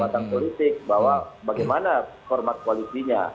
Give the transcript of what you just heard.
kekuatan politik bahwa bagaimana format koalisinya